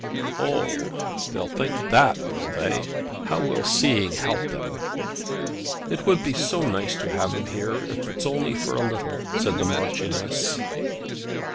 "Oh! they'll think that, will they? How will seeing help them?" "It would be so nice to have him here, if it's only for a little," said the Marchioness.